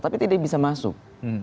tapi tidak bisa masuk